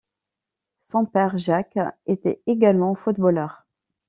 Son père, Jack, était également footballeur.